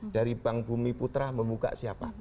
dari bank bumi putra membuka siapa